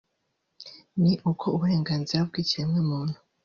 ni uko uburenganzira bw’ikiremwamuntu